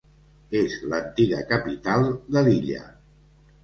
És l'antiga capital de l'illa.